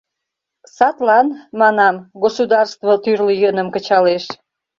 Садлан, манам, государство тӱрлӧ йӧным кычалеш.